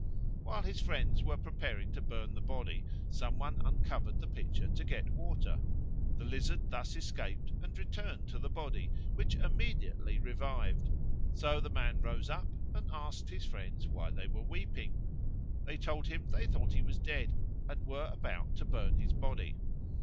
While his friends were preparing to burn the body some one uncovered the pitcher to get water. The lizard thus escaped and returned to the body, which immediately revived; so the man rose up and asked his friends why they were weeping. They told him they thought he was dead and were about to burn his body.